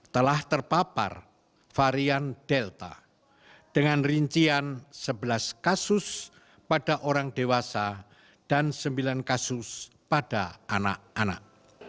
telah terpapar varian delta dengan rincian sebelas kasus pada orang dewasa dan sembilan kasus pada anak anak